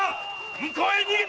向こうへ逃げたぞ！